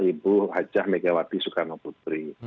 ibu hajah megawati soekarno putri